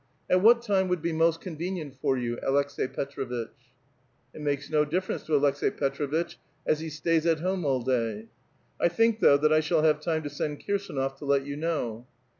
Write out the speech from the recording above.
'' At what time would be most convenient for you, Aleks^i Petr^ vitch ?" It makes no difference to Aleksilii Petr6vitdi, as he stays nt home all day. ^^ 1 think, though, tliat I shall have time to send Kirsdnof to let you know."